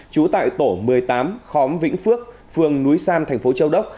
trú tại tổ một mươi tám khóm vĩnh phước phường núi san thành phố châu đốc